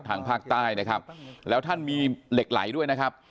ทางภาคใต้นะครับแล้วท่านมีเหล็กไหลด้วยนะครับ